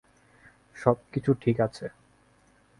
সবকিছু ঠিক আছে।